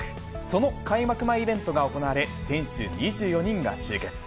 その開幕前イベントが行われ、選手２４人が集結。